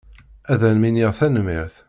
Ad am-iniɣ tanemmirt.